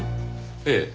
ええ。